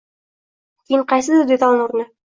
Keyin qaysidir detalni urdi.